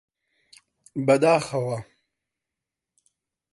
بەداخەوە!